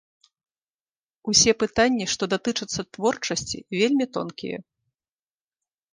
Усе пытанні, што датычацца творчасці, вельмі тонкія.